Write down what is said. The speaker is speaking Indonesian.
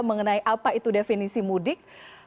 mengenai apa itu definisi mudik